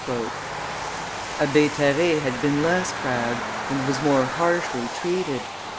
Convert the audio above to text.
Abbe Terray had been less proud, and was more harshly treated.